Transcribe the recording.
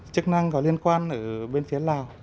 chức năng có liên quan ở bên phía lào